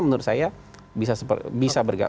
menurut saya bisa